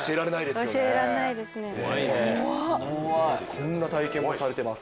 こんな体験もされてます。